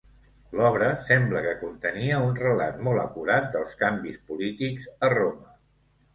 L'obra sembla que contenia un relat molt acurat dels canvis polítics a Roma.